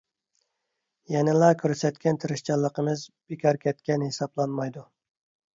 يەنىلا كۆرسەتكەن تىرىشچانلىقىمىز بىكار كەتكەن ھېسابلانمايدۇ.